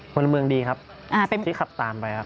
พลเมืองดีครับที่ขับตามไปครับ